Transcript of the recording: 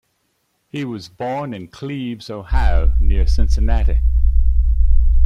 He was born in Cleves, Ohio, near Cincinnati.